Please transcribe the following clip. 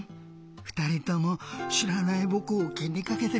ふたりともしらないぼくをきにかけてくれてありがとう！